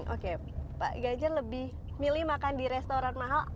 oke pak ganjar lebih milih makan di restoran mahal